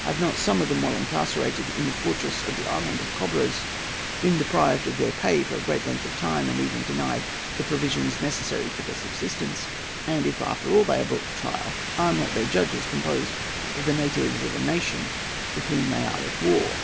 Have not some of them while incarcerated in the fortress of the Island of Cobras been deprived of their pay for a great length of time, and even denied the provisions necessary for their subsistence? And if, after all, they are brought to trial, are not their judges composed of the natives of a nation with whom they are at war?